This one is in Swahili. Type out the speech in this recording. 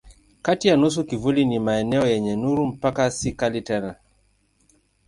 Kati ya nusu kivuli na maeneo yenye nuru mpaka si kali tena.